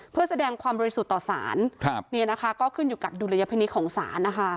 เพื่อแสดงความบริสุทธิ์ต่อสารก็ขึ้นอยู่กับดุลยพินิษฐ์ของศาลนะคะ